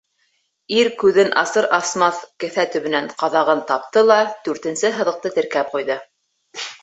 Ир күҙен асыр-асмаҫ кеҫә төбөнән ҡаҙағын тапты ла дүртенсе һыҙыҡты теркәп ҡуйҙы.